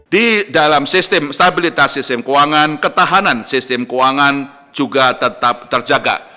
di dalam sistem stabilitas sistem keuangan ketahanan sistem keuangan juga tetap terjaga